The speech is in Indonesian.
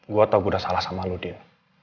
gue tau gue udah salah sama lo dia